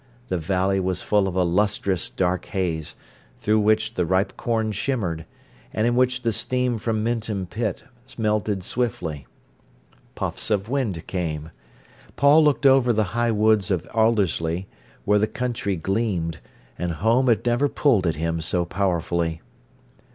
The valley was full of a lustrous dark haze, through which the ripe corn shimmered, and in which the steam from Minton pit melted swiftly. Puffs of wind came. Paul looked over the high woods of Aldersley, where the country gleamed, and home had never pulled at him so powerfully.